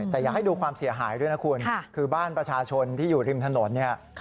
แต่อยากให้ดูความเสียหายด้วยนะคุณคือบ้านประชาชนที่อยู่ริมถนนเนี่ย